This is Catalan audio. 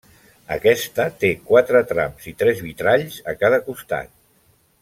Aquesta té quatre trams i tres vitralls a cada costat.